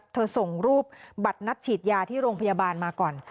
ส่งรูปบัตรนัดฉีดยาที่โรงพยาบาลมาก่อน